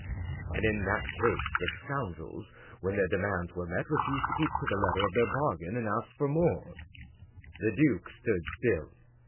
" And in that case the scoundrels, when their demands were met, refused to keep to the letter of their bargain and asked for more." The duke stood still.